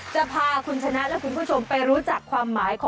จะพาคุณชะนะและคุณผู้ชมไปรู้จัก